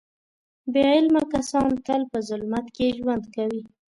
بې علمه کسان تل په ظلمت کې ژوند کوي.